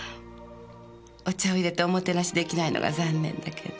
お茶を淹れておもてなし出来ないのが残念だけど。